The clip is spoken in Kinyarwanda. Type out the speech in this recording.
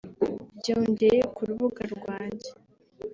byongeye ku rubuga rwanjye